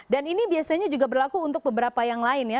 dan ini biasanya juga berlaku untuk beberapa yang lain ya